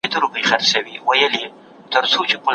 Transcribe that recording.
دوکاندار وویل چي ړوند سړی له ږیري سره ډوډۍ او مڼه اخلي.